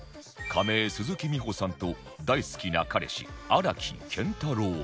仮名鈴木美穂さんと大好きな彼氏荒木健太郎さん